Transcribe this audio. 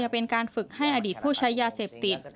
เป็นการฝึกให้อดีตผู้ใช้ยาเสพติด